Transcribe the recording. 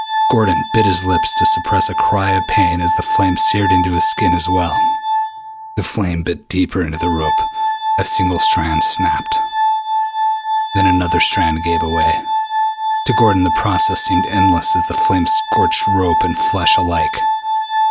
Gordon bit his lips to suppress a cry of pain as the flame seared into his skin as well. The flame bit deeper into the rope. A single strand snapped. Then another strand gave way. To Gordon the process seemed endless as the flame scorched rope and flesh alike.